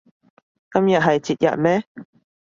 今日係節日咩